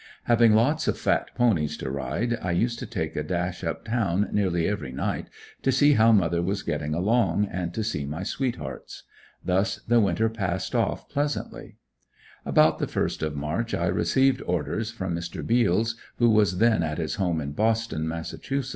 Having lots of fat ponies to ride, I used to take a dash up town nearly every night to see how mother was getting along and to see my sweethearts. Thus the winter passed off pleasantly. About the first of March I received orders from Mr. Beals, who was then at his home in Boston, Mass.